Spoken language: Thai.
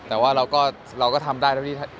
แต่ว่าเราก็ทำได้